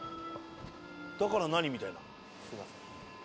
だから何？みたいな。